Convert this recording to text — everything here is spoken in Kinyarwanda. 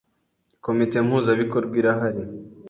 Komite mpuzabikorwa irahari